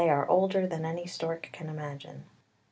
~, U ■, ,m older than any stork can imagine.